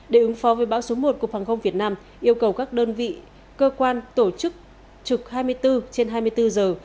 để ứng phó với bão số một cục hàng không việt nam yêu cầu các đơn vị cơ quan tổ chức trực hai mươi bốn trên hai mươi bốn giờ